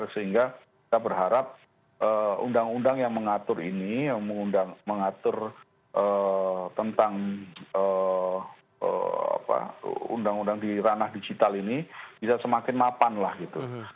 sehingga kita berharap undang undang yang mengatur ini yang mengundang mengatur tentang undang undang di ranah digital ini bisa semakin mapan lah gitu